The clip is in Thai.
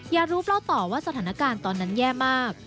ยารูปเล่าต่อว่าสถานการณ์ตอนนั้นแย่มาก